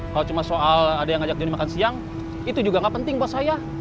kalau cuma soal ada yang ngajak jadi makan siang itu juga gak penting buat saya